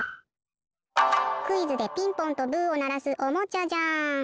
クイズでピンポンとブーをならすおもちゃじゃん！